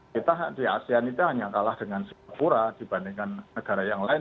kita di asean itu hanya kalah dengan singapura dibandingkan negara yang lain